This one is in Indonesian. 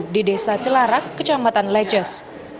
di desa celarak kecamatan leces